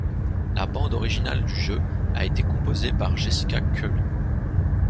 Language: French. La bande originale du jeu a été composée par Jessica Curry.